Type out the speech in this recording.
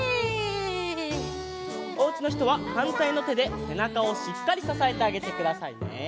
おうちのひとははんたいのてでせなかをしっかりささえてあげてくださいね。